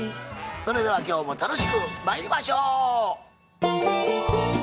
それでは今日も楽しくまいりましょう！